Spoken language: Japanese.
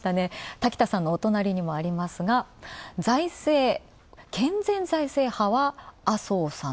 滝田さんのお隣にもありますが財政、健全財政派は麻生さん。